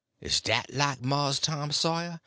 Is dat like Mars Tom Sawyer?